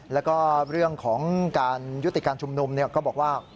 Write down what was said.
แล้วก็เรื่องของการยุติการชุมนุมก็บอกว่า